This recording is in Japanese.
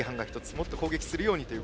もっと攻撃するようにという。